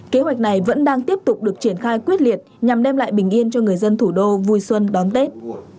kế hoạch này vẫn đang tiếp tục được triển khai quyết liệt nhằm đem lại bình yên cho người dân thủ đô vui xuân đón tết